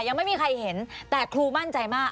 ยังไม่มีใครเห็นแต่ครูมั่นใจมาก